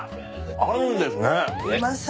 合うんですね。